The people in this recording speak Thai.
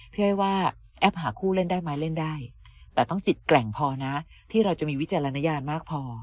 พี่อ้อยว่าแอปหาคู่เล่นได้ไหมเล่นได้แต่ต้องจิตแกร่งพอนะที่เราจะมีวิจารณญาณมากพอ